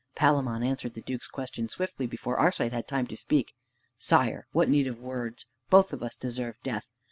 Palamon answered the Duke's question swiftly, before Arcite had time to speak. "Sire, what need of words? Both of us deserve death.